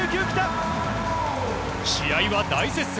試合は大接戦。